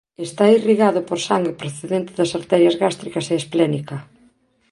Está irrigado por sangue procedente das arterias gástricas e esplénica.